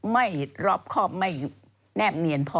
ไม่รอบครอบไม่แนบเนียนพอ